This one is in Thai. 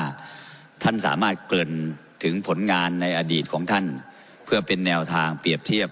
ว่าท่านสามารถเกริ่นถึงผลงานในอดีตของท่านเพื่อเป็นแนวทางเปรียบเทียบ